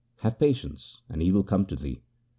Have patience, and he will come to thee.'